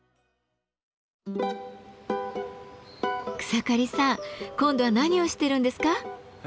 草刈さん今度は何をしてるんですか？